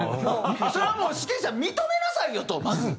それはもう指揮者認めなさいよとまず。